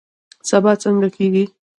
سبا څنګه کیږي؟